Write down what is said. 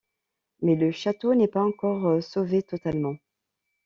Mais le château n'est pas encore sauvé totalement.